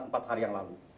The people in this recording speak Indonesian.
empat hari yang lalu